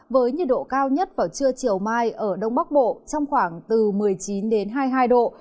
với nhiệt độ cao nhất vào trưa chiều mai ở đông bắc bộ trong khoảng từ một mươi chín đến hai mươi hai độ